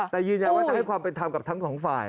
แต่ยืนยันว่าจะให้ความเป็นธรรมกับทั้งสองฝ่าย